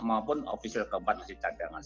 maupun ofisial keempat wasid candangan